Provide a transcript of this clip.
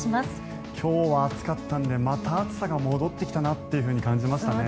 今日は暑かったのでまた暑さが戻ってきたなと感じましたね。